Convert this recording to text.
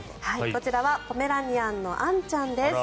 こちらはポメラニアンのアンちゃんです。